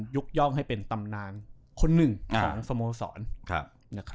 ยกย่องให้เป็นตำนานคนหนึ่งของสโมสร